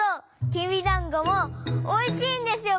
きびだんごもおいしいんですよ